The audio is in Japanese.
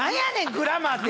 グラマーって。